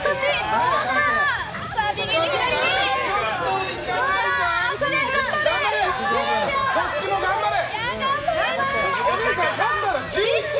どっちも頑張れ！